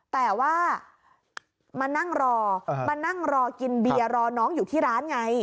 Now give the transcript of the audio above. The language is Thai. แต่ว่ามานั่งรอกินเบียรอน้องอยู่ที่ร้านไง